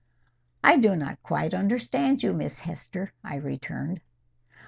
"I do not quite understand you, Miss Hester," I returned.